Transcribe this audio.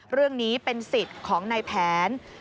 เรื่องนี้เป็นสิทธิ์ของในแผน